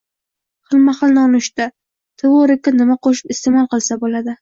Xilma-xil nonushta: Tvorogga nima qo‘shib iste’mol qilsa bo‘ladi?